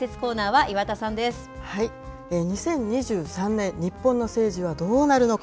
２０２３年、日本の政治はどうなるのか。